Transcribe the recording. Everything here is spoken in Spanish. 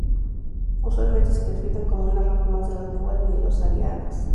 Usualmente se clasifican como una rama más de las lenguas nilo-saharianas.